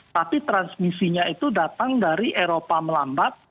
tapi transmisinya itu datang dari eropa melambat